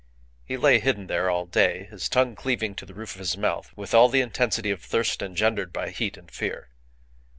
He lay hidden there all day, his tongue cleaving to the roof of his mouth with all the intensity of thirst engendered by heat and fear.